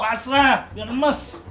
pasrah biar emas